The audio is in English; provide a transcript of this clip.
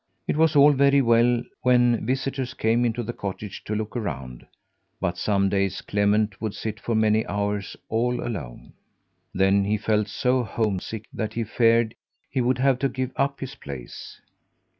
It was all very well when visitors came into the cottage to look around, but some days Clement would sit for many hours all alone. Then he felt so homesick that he feared he would have to give up his place.